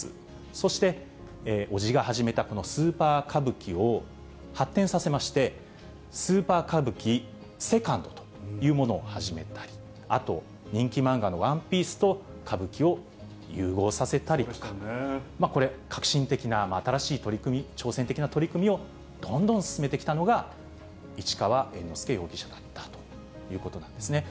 そして、伯父が始めたこのスーパー歌舞伎を発展させまして、スーパー歌舞伎セカンドというものを始めたり、あと人気漫画のＯＮＥＰＩＥＣＥと歌舞伎を融合させたりとか、これ、革新的な新しい取り組み、挑戦的な取り組みをどんどん進めてきたのが、市川猿之助容疑者だったということなんですね。